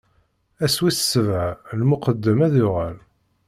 Ass wis sebɛa, lmuqeddem ad yuɣal.